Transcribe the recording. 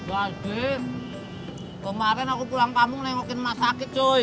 wadid kemarin aku pulang kampung nengokin emak sakit cuy